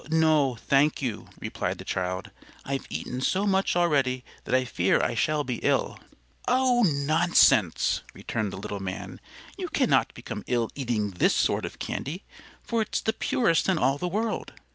"No, thank you," replied the child; "I've eaten so much already that I fear I shall be ill." "Oh, nonsense!" returned the little man; "you cannot become ill eating this sort of candy, for it's the purest in all the world.